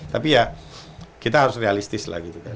tapi ya kita harus realistis lah gitu kan